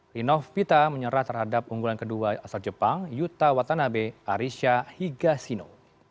rinov pita menyerah terhadap unggulan kedua asal jepang yuta watanabe arisha hingga sino